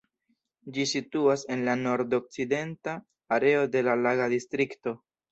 Ĝi situas en la nord-okcidenta areo de la Laga Distrikto.